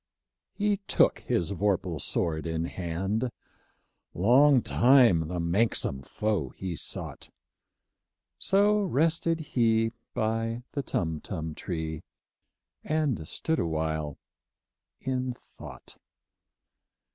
He took his vorpal sword in hand: Long time the manxome foe he soughtŌĆö So rested he by the Tumtum tree, And stood awhile in thought.